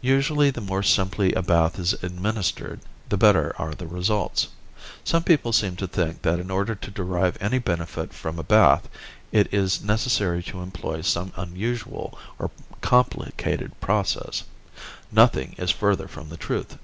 Usually the more simply a bath is administered the better are the results. Some people seem to think that in order to derive any benefit from a bath it is necessary to employ some unusual or complicated process. Nothing is further from the truth.